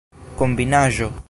kombinaĵo